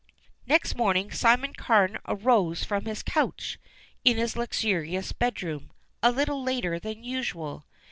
Next morning Simon Carne arose from his couch, in his luxurious bedroom, a little later than usual.